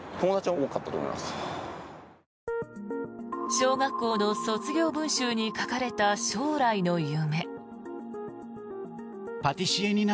小学校の卒業文集に書かれた将来の夢。